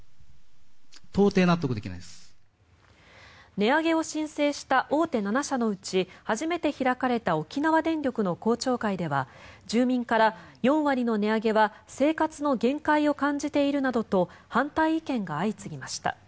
値上げを申請した大手７社のうち初めて開かれた沖縄電力の公聴会では住民から、４割の値上げは生活の限界を感じているなどと反対意見が相次ぎました。